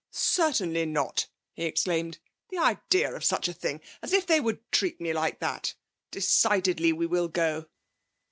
'Certainly not!' he exclaimed. 'The idea of such a thing. As if they would treat me like that! Decidedly we will go.'